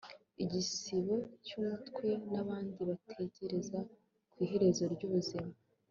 igisigo cy'umutwe n'abandi batekereza ku iherezo ry'ubuzima